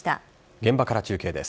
現場から中継です。